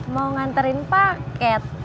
mau nganterin paket